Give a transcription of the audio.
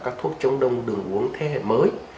các thuốc chống đông đừng uống thế hệ mới